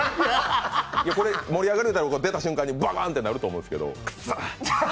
これ、盛り上がるってなった途端にバンバンってなると思うんですけど。